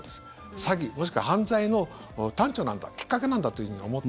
詐欺、もしくは犯罪の端緒なんだきっかけなんだと思って。